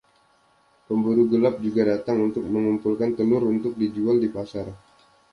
Pemburu gelap juga datang, untuk mengumpulkan telur untuk dijual di pasar.